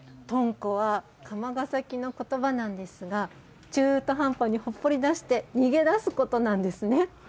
とんこは釜ヶ崎のことばなんですが、中途半端にほっぽり出して逃げ出すことなんですね。